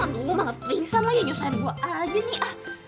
aduh lo banget ringsan lagi nyusahin gue aja nih